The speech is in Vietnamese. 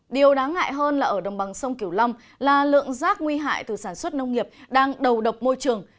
điều đáng ngại hơn là ở đồng bằng sông kiểu long là lượng rác nguy hại từ sản xuất nông nghiệp đang đầu độc môi trường